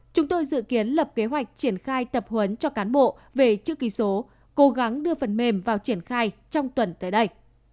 chúng tôi dự kiến lập kế hoạch triển khai tập huấn cho cán bộ về chữ ký số cố gắng đưa phần mềm vào triển khai trong tuần tới đây